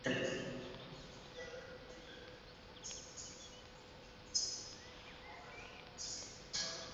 তিনি জানিয়েছিলেন যে তিনি চার বছর যাবত মার্কিন যুক্তরাষ্ট্রে টেনিসের প্রশিক্ষণ গ্রহণ করেছেন।